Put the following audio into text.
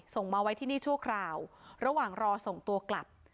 ส่งมาไว้ที่นี่ชั่วคราวระหว่างรอส่งตัวกลับ